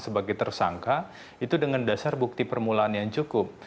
sebagai tersangka itu dengan dasar bukti permulaan yang cukup